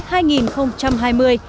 phó hoa rực sáng